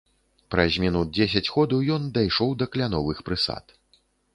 Праз мінут дзесяць ходу ён дайшоў да кляновых прысад.